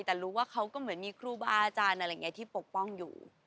แต่รู้ว่าเขาก็เหมือนมีครูบาอาจารย์อะไรอย่างนี้ที่ปกป้องอยู่